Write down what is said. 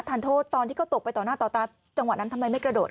ทานโทษตอนที่เขาตกไปต่อหน้าต่อตาจังหวะนั้นทำไมไม่กระโดด